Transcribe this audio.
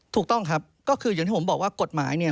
ถูกต้องครับก็คืออย่างที่ผมบอกว่ากฎหมายเนี่ย